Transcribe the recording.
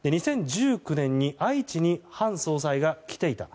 ２０１９年に愛知にハン総裁が来ていた。